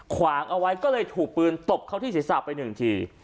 ขวางเอาไว้ก็เลยถูกปืนตบเข้าที่ศีรษะไปหนึ่งที